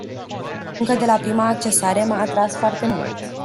Încă de la prima accesare m-a atras foarte mult.